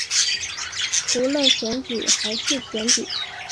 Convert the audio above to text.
除了选举还是选举